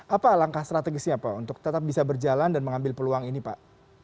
apa langkah strategisnya pak untuk tetap bisa berjalan dan mengambil peluang ini pak